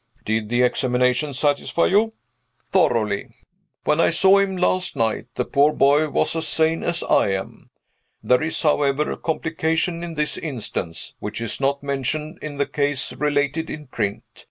"Did the examination satisfy you?" "Thoroughly. When I saw him last night, the poor boy was as sane as I am. There is, however, a complication in this instance, which is not mentioned in the case related in print.